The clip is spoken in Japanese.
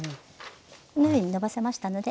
このようにのばせましたので。